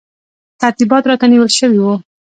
ترتیبات راته نیول شوي وو.